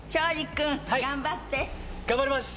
頑張ります！